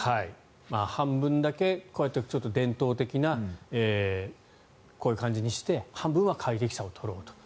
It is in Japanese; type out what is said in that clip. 半分だけこうやって伝統的なこういう感じにして半分は快適さを取ろうと。